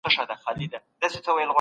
پوهه د بريا لومړی شرط دی.